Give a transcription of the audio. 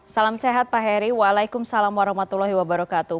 salam sehat pak heri waalaikumsalam warahmatullahi wabarakatuh